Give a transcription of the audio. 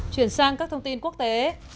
chuyển sang các thông tin quốc tế